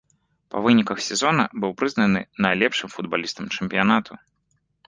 Па выніках сезона быў прызнаны найлепшым футбалістам чэмпіянату.